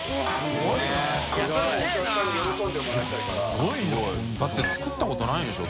垢瓦だって作ったことないんでしょ？